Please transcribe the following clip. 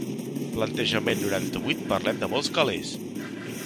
Plantejament noranta-vuit parlem de molts calés.